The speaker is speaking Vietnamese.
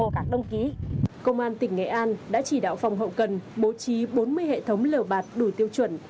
công an tỉnh nghệ an đã chỉ đạo phòng hậu cần bố trí bốn mươi hệ thống liều bạt đủ tiêu chuẩn